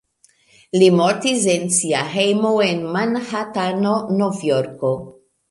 Li mortis en sia hejmo en Manhatano, Novjorko.